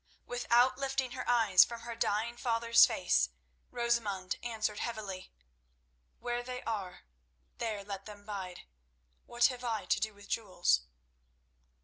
Without lifting her eyes from her dying father's face, Rosamund answered heavily: "Where they are, there let them bide. What have I to do with jewels?"